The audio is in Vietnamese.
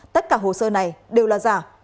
tất cả hồ sơ này đều là giả